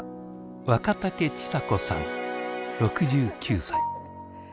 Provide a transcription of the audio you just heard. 若竹千佐子さん６９歳。